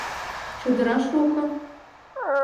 — Чодыра шуко.